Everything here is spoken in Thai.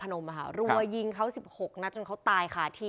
พนมบ้างเขากลัวยิงเขาสิบหกนะจนเขาตายขาดที